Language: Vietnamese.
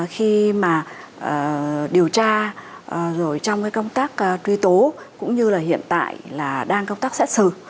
khi mà điều tra rồi trong cái công tác truy tố cũng như là hiện tại là đang công tác xét xử